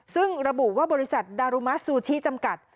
ซึ่งระบุว่าบริษัทดารุมะซูชิจำกัด